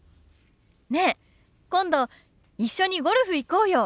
ねえ今度一緒にゴルフ行こうよ。